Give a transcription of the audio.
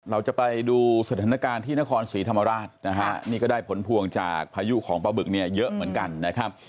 เราจะไปดูสถานการณ์ที่นครศรีธรรมราชนะฮะนี่ก็ได้ผลพวงจากพายุของปลาบึกเนี่ยเยอะเหมือนกันนะครับ